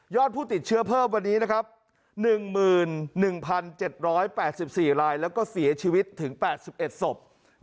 ผู้ติดเชื้อเพิ่มวันนี้นะครับ๑๑๗๘๔รายแล้วก็เสียชีวิตถึง๘๑ศพ